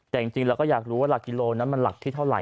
แต่จริงเราก็อยากรู้ว่าหลักกิโลนั้นมันหลักที่เท่าไห